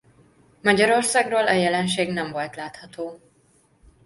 Magyarországról a jelenség nem volt látható.